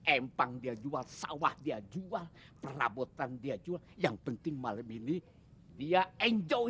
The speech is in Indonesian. empang dia jual sawah dia jual perabotan dia jual yang penting malam ini dia enjoy